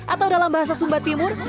atau dalam bahasa sumba timur